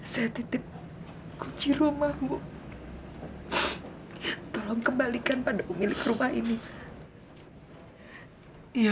sampai jumpa di video selanjutnya